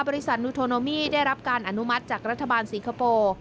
บริษัทนูโทโนมี่ได้รับการอนุมัติจากรัฐบาลสิงคโปร์